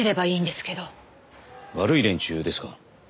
悪い連中ですか？